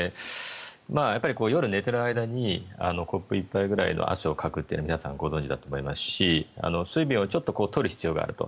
夜寝ている間にコップ１杯ぐらいの汗をかくというのは皆さん、ご存じだと思いますし水分をちょっと取る必要があると。